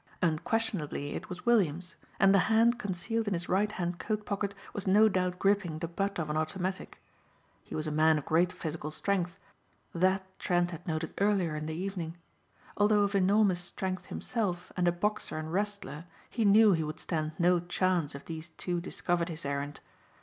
Unquestionably it was Williams, and the hand concealed in his right hand coat pocket was no doubt gripping the butt of an automatic. He was a man of great physical strength, that Trent had noted earlier in the evening. Although of enormous strength himself, and a boxer and wrestler, he knew he would stand no chance if these two discovered his errand.